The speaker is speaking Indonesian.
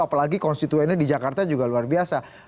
apalagi konstituennya di jakarta juga luar biasa